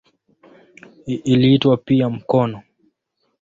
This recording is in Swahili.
Iliitwa pia "mkono".